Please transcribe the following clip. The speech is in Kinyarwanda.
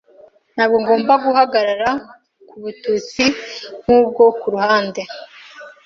Ntabwo ngomba guhagarara kubututsi nkubwo kuruhande